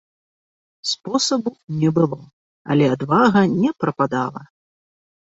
Спосабу не было, але адвага не прападала.